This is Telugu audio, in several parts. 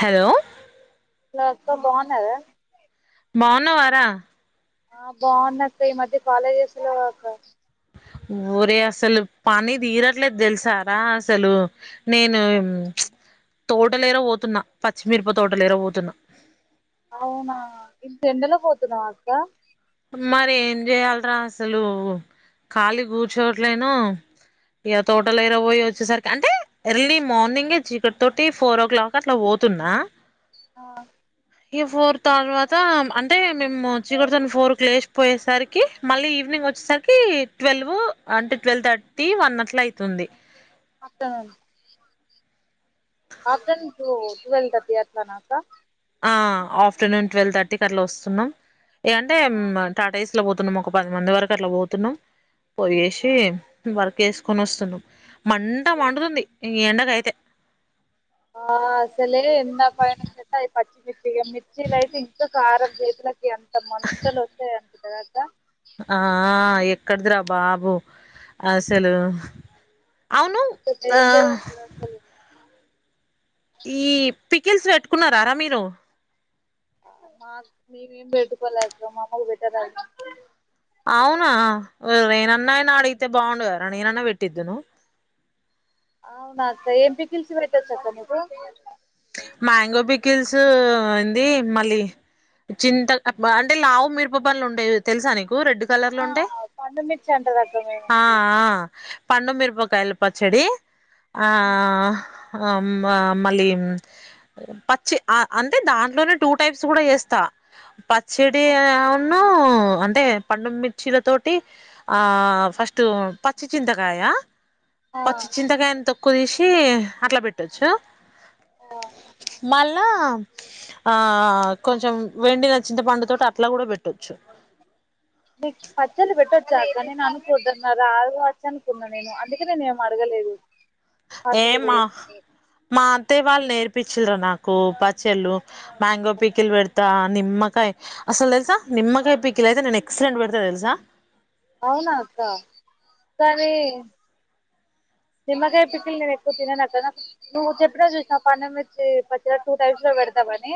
హలో లతికా బాగున్నాద బాగున్న వారా ఆ బాగున్నక్క ఈ మధ్య కాలేజెస్ లో ఊరే అసలు పని తీరట్లేదు తెలుసారా అసలు నేను తోట లేర పోతున్నా పచ్చిమిరప తోట లేర పోతున్నా అవునా ఇంత ఎండలు పోతున్నావ అక్క మరి ఏం చేయ్యాలరా అసలు ఖాళీ కూర్చోట్లేను ఇక తోటలు ఇర పోయ వచ్చేసరికి అంటే ఎర్లీ మార్నింగే చీకటి తోటి ఫోర్ ఓ క్లాక్ అట్లా పోతున్నా అ ఇక ఫోర్ తర్వాత అంటే మేము చీకటి తోన ఫోర్ కి లేసి పోయేసరికి మళ్ళీ ఈవినింగ్ వచ్చేసరికి ట్వెల్వ్ అంటే ట్వెల్వ్ థర్టీ వన్ అట్లా అవుతుంది ఆఫ్టర్నూన్ కి ఆఫ్టర్నూన్ టు టవల్వ్ కిఅ ఎలానాస ఆ ఆఫ్టర్నూన్ ట్వెల్వ్ థర్టీకి అట్లా వస్తున్నాం ఏ అంటే మ్మ్ టాటాయిస్ అట్లా పోతున్నాం ఒక పది మంది వరకు అట్లా పోతున్నాం పోయేసి వర్క్ వేసుకొని వస్తున్నాం మంట మండుతుంది ఈ ఎండక అయితే ఆ అ సలే ఎన్న పయన చే అది ప ఇక మిర్చీలు అయితే ఇంకొక కారం చేతులకి ఎంత మంతలు వచ్చాయింట కదా ద ఆ ఆ ఎ కడుదురా బాబు అసలు అవును అసలు ఆ డేంజర్ ఉంటది అసలు ఈ పికిల్స్ పెట్టుకున్నారారా మీరు మాకు మేమేం పెట్టుకోలేదు మా అమ్మ కి పెట్టను రాదు అవునా నేనన్నయ నా అడిగితే బాగుం ర నేనన్న పెట్టిద్దును అవునాక్క ఏం పికిల్స్ పెట్టొచ్చు అక్క మీకు మ్యాంగో పికిల్స్ అంది మళ్ళీ చింత బా అంటే లావు మిరప పండ్లు ఉండాయి తెలుసా నకు వు రెడ్ కలర్ లో ఉంటాయ్ ఆ పండు మిర్చి అంటారు అక్క మేము ఆ అది ఆ పండు మీరుపకాయలు పచ్చడి ఆ ఆ ఆ మా మళ్ళీ పచ్చి అ అంటే దాంట్లోనే టూ టైప్స్ కూడా చేస్తా ప సిడి అవును నూ అంటే పండుమిర్చిల తోటి ఆ ఫస్ట్ పచ్చి చింతకాయ ఆ పచ్చ చింత కయన్ ఎంతో కొలిసి అట్లా పెట్టొచ్చు ఆ మళ్ళా ఆ కొంచెం వెండిన చింత పండుతోోటి అట్లా కూడా పెట్టొచ్చు మీకు పచ్చళ్ళు పెట్టొచ్చా అక్క నేను అనుకోద్దన్న రాదు కావచ్చు అనుకున్నా నేను అందుకే నేను ఏమ్ అడగలేదు. ఏ అసలు వే మ్మా మా అత్త వాళ్ళు నేర్పించిరా నాకు పచ్చళ్ళు మ్యాంగో పీకిలు పెడతా నిమ్మకాయ అసలు తెలుసా నిమ్మకాయ పీకిీలు అయితే నేను ఎక్సలెంట్ పెడతా తెలుసా! అవునాత్త సరే నిమ్మకాయ పికిలు నేను ఎక్కువ తినన్ను కదా నువ్వు చెప్పిన చూసినవు పండు వచ్చి పచ్చిగా టూ టైప్స్ లో పెడతావని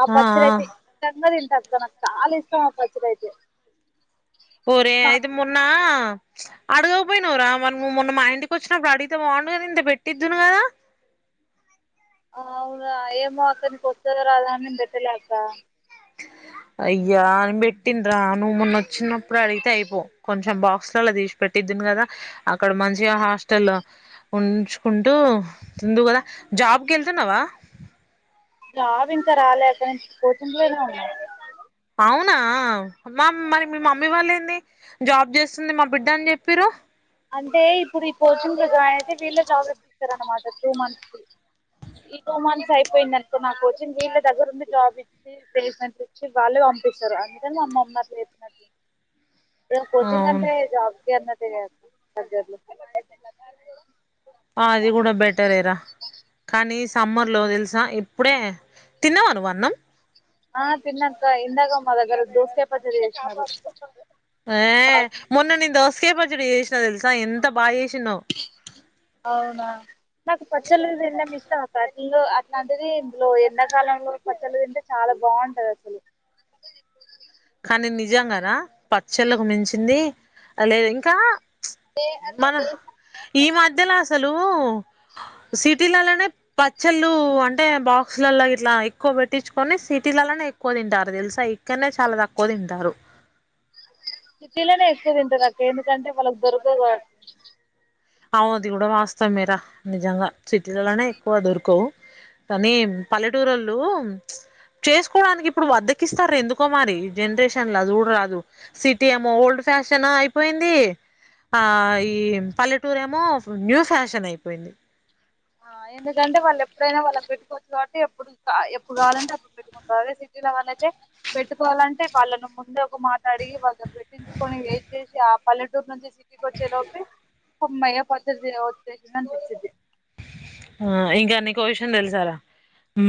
ఆ పచ్చడి అయితే ఎంత అయిన తింటారు జనం చాలా ఇష్టం ఆ పచ్చడి అయితే ఒరే మా అయితే మొన్నా అడుగ పోయినవురా మొన్న మా ఇంటికి వచ్చినప్పుడు అడిగితే బాగుండు కదా ఇంత పెట్టిదును కదా అవునా ఏమో అక్క నీకు వస్తాదో రాదో అని చెప్ప లేదు అక్క అయ్యా నేను పెట్టింద్రా నువ్వు మోన్న వచ్చినప్పుడు అడిగితే అయిపోవు కొంచెం బాక్స్లలా తీసి పెట్టిదిను కదా అక్కడ మంచిగా హాస్టల్ ఉంచుకుంటూ తిందువు కదా జాబ్కి వెళ్తున్నావా జాబు ఇంకా రాలే అక్క కోచింగ్ లోనే ఉన్నాను అవునా అమ్మ మా మరి మీ మమ్మీ వాళ్ళు ఏంది జాబ్ చేస్తుంది మా బిడ్డ అని చెప్పేరు అంటే ఇప్పుడు ఈ కోచింగ్ లో జాయిన్ అయితే వీళ్ళే జాబ్ ఇస్తారనమాట ఈ టూ మంత్స్ కి టూ మంత్స్ అయిపోయిందనుకో నా కోచింగ్ వీళ్ళ దగ్గర ఉండి జాబ్ ఇచ్చి ప్లేస్మెంట్స్ ఇచ్చి వాళ్ళే పంపిస్తారు అందుకని అమ్మ మీకునల చెప్పినట్టు ఉంది కోచింగ్ అవును అంటే జాబ్ ఎన్నతిగాద్ సజ్జర్లు ఆ అది కూడా బెటరేరా కానీ సమ్మర్ లో తెలుసా ఇప్పుడే తిన్నవా నువ్వు అన్నం ఆ తిన్నాక్కా ఇందాక మా దగ్గర దోసకాయ పచ్చడి చేసినారు. ఆ మొన్న నేను దోస దోస కాయ పచ్చడి చేసినా తెలుసా ఎంత బాగా చేసినానో అవునా నాకు పచ్చడి లేదే తిండం ఇష్టం పలు అట్లాంటిది ఇందులో ఎండాకాలంలో పచ్చళ్ళు తింటే చాలా బాగుంటాది అసలు నిజంంగానా పచ్చళ్ళకు మించింది లేదు ఇంకా చ్ మన అంటే ఈ మధ్యలో అసల్ అసలు సిటీలలోనే పచ్చళ్ళు అంటే బాక్సులలో ఇట్లా ఎక్కువ పెట్టించుకొని సిటీలలోనే ఎక్కువ తింటారు తెలుసా ఇక్కడనే చాలా దక్కువా ఎక్కువ తింటారు సిటీలోనే ఎక్కువ తింటరక్క ఎందుకంటే వాళ్ళకి దొరుకవు కాట్టి అవుది ఇది కూడా వాస్తవం ఏరా నిజంగా సిటీలలోనే ఎక్కువ దొరకవు కానీ పల్లెటూరోళ్ళు చేసుకోడానికి ఇప్పుడు బధకిస్తారో ఎందుకో మరి ఈ జనరేషన్లు అది కూడా రాదు సిటీ ఏమో ఓల్డ్ ఫ్యాషన్ అయిపోయింది ఆ ఈ పల్లెటూ టూరేమో వో న్యూ ఫ్యాషన్ అయిపోయింది ఆ ఎందుకంటే వాళ్ళు ఎప్పుడైనా వాళ్ళకి పెట్టుకోవచ్చు కాబట్టి ఎప్పుడు ఎప్పుడు కావాలంటే అప్పుడు పెట్టుకుంటారు అదే సిటీలో వాళ్ళఅయితే పెట్టుకోవాలంటే వాళ్ళని ముందే ఒక మాట అడిగి వాళ్ళు పెట్టించుకొని వెయిట్ చేసి ఆ పల్లెటూరు నుంచి ఇంటికొచ్చే లోపే హమ్మయ్య పచ్చడి చేయ చేయద్దు అని చెప్పిద్ది ఆ ఇంకా నీకో విషయం తెలుసారా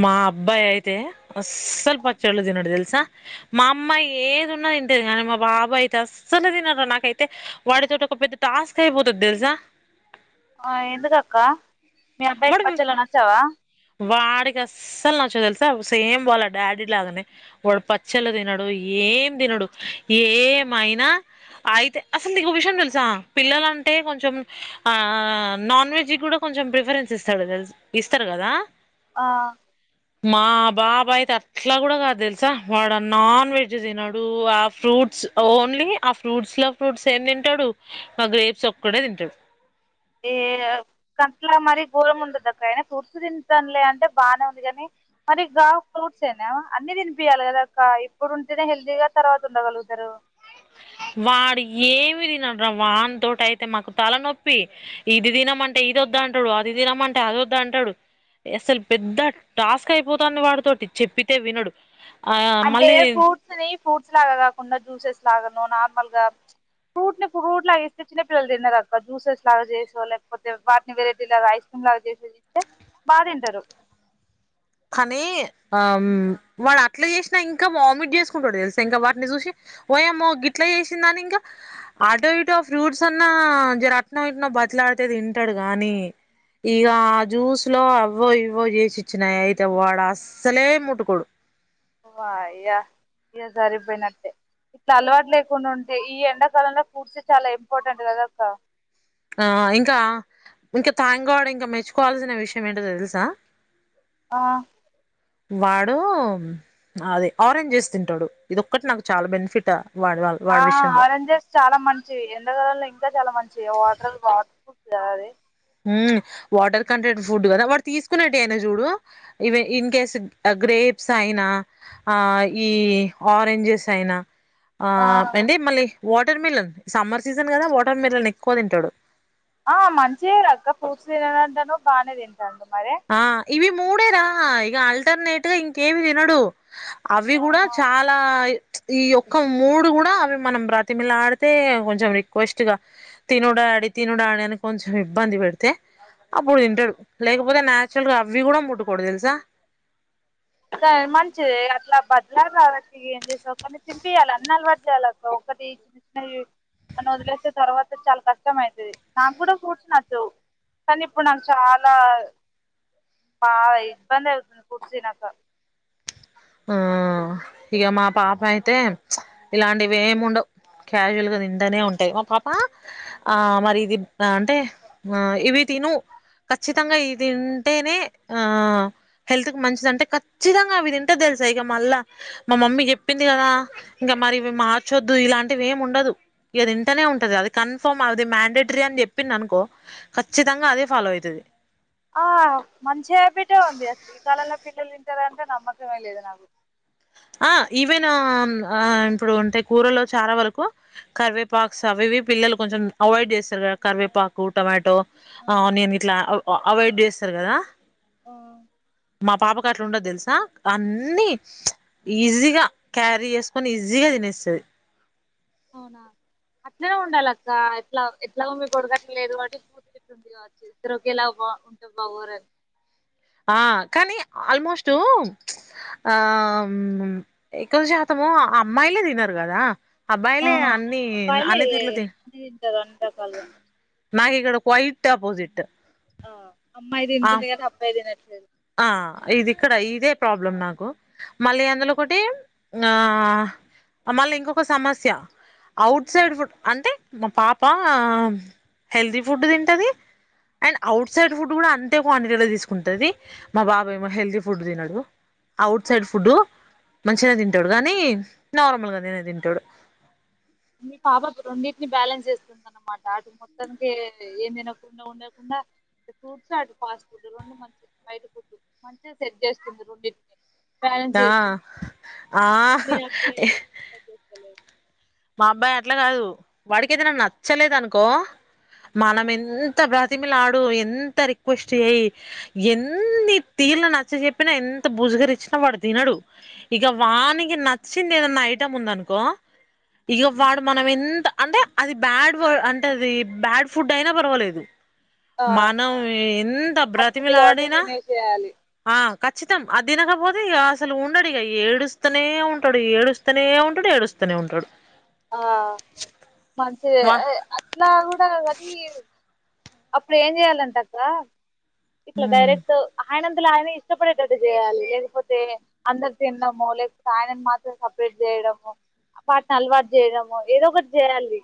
మా అబ్బాయి అయితే అస్సలు పచ్చళ్లు తినడు తెలుసా మా అమ్మాయి ఏదున్నా తింటది కానీ మా బాబు అయితే అస్సలే తినడు నాకైతే వాడితోటి ఒక పెద్ద టాస్క్ అయిపోతుంది తెలుసా ఆ ఎందుకక్క మీ అబ్బాయికి వాడు పచ్చళ్ళు నచ్చవా వాడికి అస్సలు నచ్చదు తెలుసా సేమ్ వాళ్ళ డాడీ లాగానే వాడు పచ్చళ్ళు తినడు ఏం తినడు ఏమయినా అయితే అసలు నీకు విషయం తెలుసా పిల్లలంటే కొంచెం ఆ నాన్ వెజ్కి కూడా కొంచెం ప్రేఫ్ఫరెన్స్ ఇస్తాడూ కదా ఇస్తారు కదా ఆ మా బాబాయితే అట్లా కూడా కాదు తెలుసా వాడ నాన్ వెజ్ తినడు ఆ ఫ్రూట్స్ ఓన్లీ ఆ ఫ్రూట్స్ లో ఫ్రూట్స్ ఏం తింటాడు మా గ్రేప్స్ ఒక్కడే తింటాడు ఏ కట్లా మర గోలం ఉండదు అక్క అయినా ఫ్రూట్స్ తింటాంలే అంటే బాగానే ఉంది కానీ మరిగా ఫ్రూట్స్ అనా అన్ని తినిపియాలి కదా అక్క ఇప్పుడు ఉంటేనే హెల్దీగా తర్వాత ఉండగలుగుతారు వాడు ఏమి తినడు రా వానితో అయితే మాకు తలనొప్పి ఇది తినమంటే ఇది వద్ద అంటాడు అది తినమంటే అది వద్ద అంటాడు అసలు పెద్ద టాస్క్ అయిపోతుంది వాడితోోటి చెప్పితే వినడు ఆ అంటే మళ్ళీ ఫ్రూట్స్ ని ఫ్రూట్స్ లాగా కాకుండా జ్యూసెస్ లాగా నార్మల్ గా ఫ్రూట్ని ఫ్రూట్ లాగా ఇస్తే చిన్నపిిల్లలు తిన్నారు అ జ్యూసెస్ లాగా చేసో లేకపోతే వాటిని వెరైటీ లాగా ఐస్ క్రీమ్ లాగా చేస్తే బాగా తింటారు కానీ ఆ వాడు అట్లా చేసినా ఇంకా వామిట్ చేసుకుంటాడు తెలుసా ఇంకా వాటిని చూసి ఓ ఏమో గ ఇట్లా చేసిందాని ఇంకా అటో ఇటో ఫ్రూట్స్ అన్నా జర అట్న ఇట్నో బతిలాడితే తింటాడు కాగానీ ఇక ఆ జ్యూస్ లో అవ్వో ఇవ్వో చేసిచ్చినాయియి వాడ అసలే ముట్కుడు వఆయా సరిపోయినట్టే ఇట్లా అలవాటు లేకుండా ఉంటే ఈ ఎండాకాలంలో ఫ్రూట్ చాలా ఇంపార్టెంట్ కాదక్కా ఆ ఇంకా ఇంకా థ్యాంక్ గాడ్ ఇంకా మెచ్చుకోవాల్సిన విషయం ఏంటో తెలుసా ఆ వాడు అది ఆరెంజ్ తింటాడు ఇది ఒక్కటి నాకు చాలా బెనిఫిటా ఆ ఆరెంజెస్ చాలా మంచివి ఎండ ఇంకా చాలా మంచి వాటర్ వాటర్ప్రూఫ్స్ అది వాటర్ కంటెంట్ ఫుడ్ కదా వాడు తీసుకునేట్టటు అయినా చూడు ఈవెన్ ఇన్ కేస్ గ్రేప్స్ అయినా ఆ ఈ ఆరెంజెస్ అయినా ఆ ఏంటి మళీ వాటర్ మిలన్ సమ్మర్ సీజన్ కదా వాటర్ మిలన్ ఎక్కువ తింటాడు ఆ మంచి ఫ్రూట్స్ తినడు అంటన్నావ్ బానే తింట్ అంత మరి ఆ ఇవి మూడే రా ఇక ఆల్టర్నేట్ గా ఇంకేమి తినడు అవి కూడా ఆహా చాలా ఈ ఒయక్క మూడు కూడా అవి మనం ప్రతిమిళ ఆడితే కొంచెం రిక్వెస్ట్ గా తినుడాడి తినుడాడి అని కొంచెం ఇబ్బంది పెడితే అప్పుడు తింటాడు లేక పోదా న్యాచురల్గా అవ్వి కూడా ముటుకోడుతేలా కానీ మంచిది అట్లా బజలాలు రావచ్చ ఇ ఏం చేసావు కానీ తింపయాలి అన్ని అలవాటు చేయాల ఒకటి చిన్న చిన్నవి అని వదిలేసే తర్వాత చాలా కష్టం అవుతుంది నాకు కూడా ఫ్రూట్స్ నచ్చవు కానీ ఇప్పుడు నాకు చాలా బాగా ఇబ్బంది అవుతుంది ఫ్రూట్స్ తినక ఆ ఇక మా పాప అయితే ఇలాంటివి ఏముండవు క్యాజువల్ గా తింటనే ఉంటాయి మా పాప ఆ మరి ఇది అంటే ఆ ఇవి తిను ఖచ్చితంగా ఇవి తింటేనే ఆ హెల్త్ కి మంచిది అంటే ఖచ్చితంగా అవి తి ఇ తెలుసా ఇక మళ్ళా మా మమ్మీ చెప్పింది కదా ఇంకా మరి మార్చొద్దు ఇలాంటివి ఏమి ఉండదు ఇకది ఇంటనే ఉంటది అది కన్ఫర్మ్ అది మ్యాండేటరీ అని చెప్పింది అనుకో ఖచ్చితంగా అదే ఫాలో అయితది ఆ మంచి హ్యాబిట్ ఉంది అసలు ఈ కలలో పిల్లలు తింటారంటే నమ్మకమే లేదు నాకు ఆ ఈవెనా ఆ ఇప్పుడు అంటే కూరలో చాలా వరకు కరివేపాక్స్ అవివి పిల్లలు కొంచెం అవాయిడ్ చేస్తారు కదా కరివేపాకు టొమాటో ఆ నన్ ఇట్లా అయిడ్ చే రారా మా పాపకు అట్లుండదు తెలుసా అన్ని ఈజీగా క్యారీ చేసుకొని ఈజీగా తినేస్తుది అవునా అట్లనే ఉండాలి అక్క ఎట్లా ఎట్లాగో మీకు కొడగట్ లేదు వాటి పూతుట్లు ఉంది కావచ్చు ఇద్దరుక ఎలా బా ఉంటు బావరని ఆ కానీ ఆల్మోస్ట్ ఆ ఎక్కువ శాతము ఆ అమ్మాయిలే తిినారు కదా ఆ అబ్బాయిలే అన్నీ అన్ తీర్లుది రంట కాాలం నాకు ఇక్కడ కైట్ అపోజిట్ ఆ అమ్మాయి తింటుంది కదా అబ్బాయి తిన్నట్లేదు అ ఇది ఇక్కడ ఇదే ప్రాబ్లం నాకు మళ్ళీ అందులో ఒకటి ఆ మళ్ళీ ఇంకొక సమస్య ఆ, ఔట్సైడ్ ఫుడ్ అంటే మా పాప హెల్తీ ఫుడ్ తింటది, అండ్ అవుట్ సైడ్ ఫుడ్ కూడా అంతే క్వాంటిటీలో తీసుకుంటది. మా బాబు ఏమో హెల్తీ ఫుడ్ తినడు, అవుట్ సైడ్ ఫుడ్ మంచిగా తింటాడు, కానీ నార్మల్గా గానే తింటాడు. మీ పాబ రెండింటిని బ్యాలెన్స్ చేస్తుంది అనమాట అటు మొత్తానికి ఏం తినకుండా ఉండకుండా ఫ్రూట్స్ అటు ఫాస్ట్ ఫుడ్ రెండు మంచి బయట ఫుడ్ మంచిగా సెట్ చేస్తుంది రొండింటిని ఆ ఆహ్ మీ అబ్బాయి అట్లా చేస్తలేదు మా అబ్బాయి అట్లా కాదు వాడికెదైన నచ్చలేదు అనుకో మనం ఎంత ప్ర బ్రతిమిలాడు ఎంత రిక్వెస్ట్ చెయి, ఎన్ని తీర్లు నచ్చ చెెప్పినా ఎంత బుజుగరిచ్చినా వాడు తినడు ఇక వానికి నచ్చింది ఏదన్నా ఐటమ్ ఉందనుకో ఇక వాడు మనం ఎంత అంటే అది బ్యాడ్ వా అంటే అది బ్యాడ్ ఫుడ్ అయినా పర్వాలేదు ఆ, మనం ఎంత నచ్చింది కాబట్టి బ్రాతిమిలాడినా తినేసేయాలి ఆ ఖచ్చితం అది తినకపోతే ఇక అసలు ఉండడు ఇక ఏడుస్తూనే ఉంటాడు ఏడుస్తూనే ఉంటాడు ఏడుస్తూనే ఉంటాడు ఆ మంచిదె వా అట్లా కూడా కానీ అప్పుడు ఏం చెయాలంటక్క ఇట్ల హ్మ్ డైరెక్ట్ ఆయన అంతల ఆయనే ఇష్టపడేటట్టు చేయాలి, లేకపోతే అందరు తినడమో లేకపోతే, ఆయనను మాత్రం సపరేట్ చేయడము, వాటిని అలవాటు చేయడము ఏదో ఒకటి చేయాలి